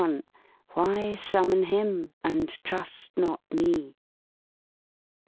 •why summon him ^AND TEUST NOT ME?'